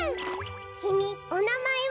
きみおなまえは？